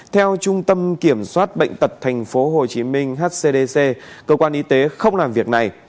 theo trung tâm kiểm soát bệnh tật tp hcm hcdc cơ quan y tế không làm việc này